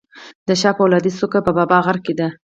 د شاه فولادي څوکه په بابا غر کې ده